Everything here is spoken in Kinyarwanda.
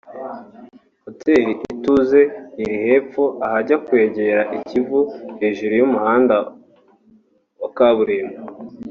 Hotel Ituze iri hepfo ahajya kwegera Ikivu hejuru y’umuhanda wa kaburimbo